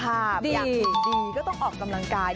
อยากดีก็ต้องออกกำลังกาย